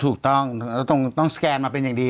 ถูกต้องแล้วต้องสแกนมาเป็นอย่างดี